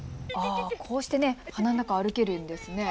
こうして花の中を歩けるんですね。